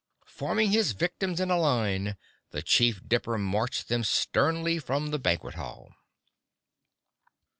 Forming his victims in a line the Chief Dipper marched them sternly from the banquet hall.